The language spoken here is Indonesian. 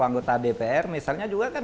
anggota dpr misalnya juga kan